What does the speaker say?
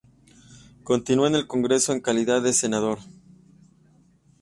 Continuó en el Congreso en calidad de senador.